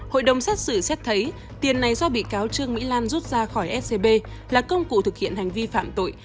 hội đồng xét xử xét thấy tiền này do bị cáo trương mỹ lan rút ra khỏi scb là công cụ thực hiện hành vi phạm tội